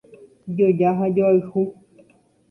Joja ha joayhu